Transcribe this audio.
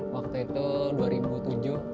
waktu itu dua ribu tujuh saat usia saya tujuh tahun